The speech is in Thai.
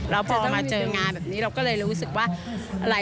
เราพอมาเจองานแบบนี้เราก็เลยรู้สึกว่า